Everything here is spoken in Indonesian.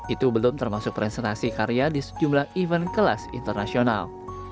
itu belum termasuk presentasi karya di sejumlah event kelas internasional